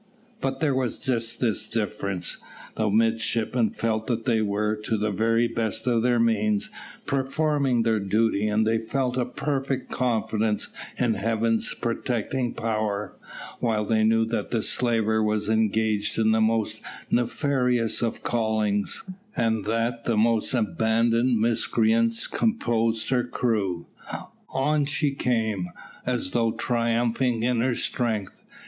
But there was just this difference. The midshipmen felt that they were, to the very best of their means, performing their duty, and they felt a perfect confidence in Heaven's protecting power, while they knew that the slaver was engaged in the most nefarious of callings, and that the most abandoned miscreants composed her crew. On she came, as though triumphing in her strength.